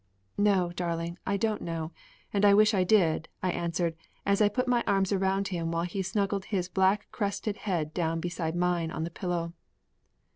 "No, darling, I don't know, and I wish I did," I answered him as I put my arms around him while he snuggled his black crested head down beside mine on the pillow.